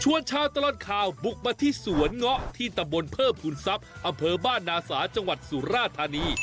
ชาวตลอดข่าวบุกมาที่สวนเงาะที่ตำบลเพิ่มภูมิทรัพย์อำเภอบ้านนาสาจังหวัดสุราธานี